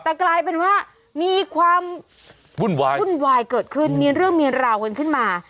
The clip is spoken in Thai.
แต่กลายเป็นว่ามีความวุ่นวายวุ่นวายเกิดขึ้นมีเรื่องมีราวกันขึ้นมา